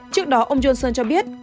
trước đó ông johnson cho biết